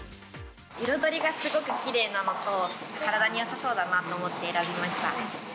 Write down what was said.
彩りがすごくきれいなのと、体によさそうだなと思って選びました。